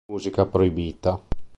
Musica proibita